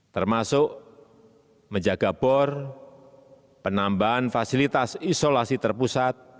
termasuk menjaga bor penambahan fasilitas isolasi terpusat